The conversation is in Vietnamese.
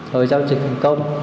rồi giao dịch thành công